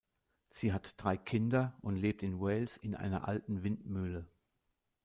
Sie hat drei Kinder und lebt in Wales in einer alten Windmühle.